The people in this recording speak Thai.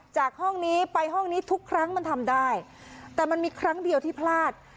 จากห้องนี้ไปห้องนี้ทุกครั้งมันทำได้แต่มันมีครั้งเดียวที่พลาด